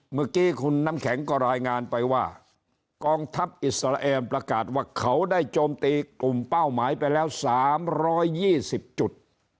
เมื่อกี้คุณน้ำแข็งก็รายงานไปว่ากองทัพอิสราเอลประกาศว่าเขาได้โจมตีกลุ่มเป้าหมายไปแล้ว๓๒๐จุด